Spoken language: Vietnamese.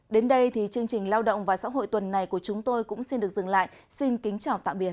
đến đây thì chương trình lao động và xã hội tuần này của chúng tôi cũng xin được dừng lại xin kính chào tạm biệt